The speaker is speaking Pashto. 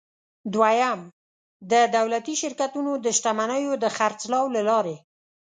دوهم: د دولتي شرکتونو د شتمنیو د خرڅلاو له لارې.